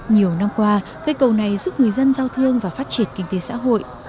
nhiều năm qua cây cầu này giúp người dân giao thương và phát triển kinh tế xã hội